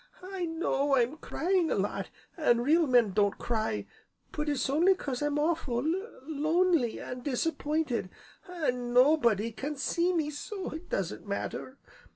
I know I'm crying a lot, an' real men don't cry, but it's only 'cause I'm awful lonely an' disappointed, an' nobody can see me, so it doesn't matter.